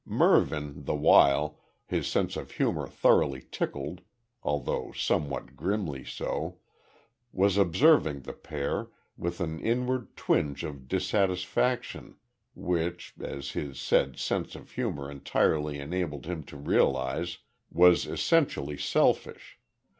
Mervyn, the while, his sense of humour thoroughly tickled although somewhat grimly so was observing the pair, with an inward twinge of dissatisfaction, which, as his said sense of humour entirely enabled him to realise, was essentially selfish.